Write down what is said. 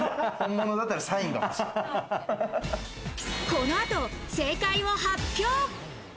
この後、正解を発表。